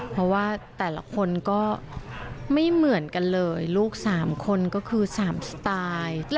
เพราะว่าแต่ละคนก็ไม่เหมือนกันเลยลูก๓คนก็คือ๓สไตล์